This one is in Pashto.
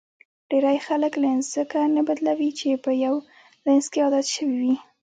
ډېری خلک لینز ځکه نه بدلوي چې په یو لینز کې عادت شوي وي.